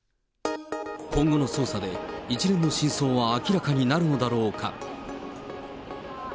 今後の捜査で一連の真相は明らかになるのだろうか。